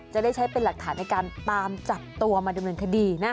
จะได้ใช้เป็นหลักฐานในการตามจับตัวมาดำเนินคดีนะ